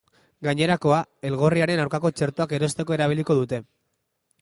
Gainerakoa, elgorriaren aurkako txertoak erosteko erabiliko dute.